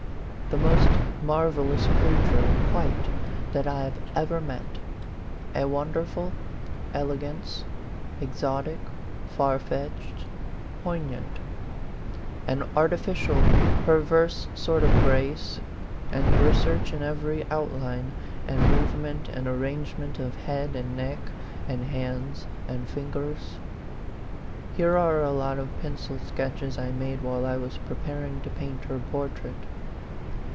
The most mar vellous creature, quite, that I have ever met : a wonderful elegance, exotic, far fetched, poig nant ; an artificial, perverse sort of grace and research in every outline and movement and arrangement of head and neck, and hands and fingers. Here are a lot of pencil sketches I made while I was preparing to paint her portrait.